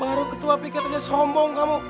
baru ketua piket aja sombong kamu